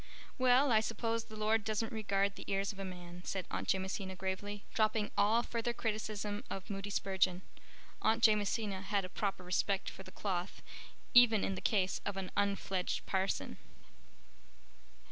"Well, I suppose the Lord doesn't regard the ears of a man," said Aunt Jamesina gravely, dropping all further criticism of Moody Spurgeon. Aunt Jamesina had a proper respect for the cloth even in the case of an unfledged parson.